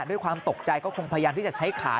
ด้วยความตกใจก็คงพยายามที่จะใช้ขา